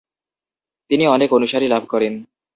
তিনি অনেক অনুসারী লাভ করেন।